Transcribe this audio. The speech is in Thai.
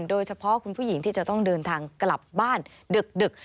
โดยเฉพาะคุณผู้หญิงที่จะต้องเดินทางกลับบ้านดึก